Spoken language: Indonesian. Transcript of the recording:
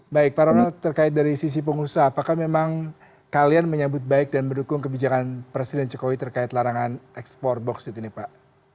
baik pak ronald terkait dari sisi pengusaha apakah memang kalian menyambut baik dan mendukung kebijakan presiden jokowi terkait larangan ekspor boksit ini pak